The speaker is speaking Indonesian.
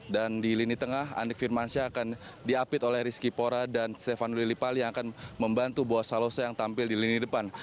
dan di lini tengah andik firmansyah akan diapit oleh rizky pora dan sevan lilipal yang akan membantu bawa salosa yang tampil di lini depan